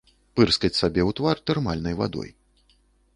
Пырскаць сабе ў твар тэрмальнай вадой.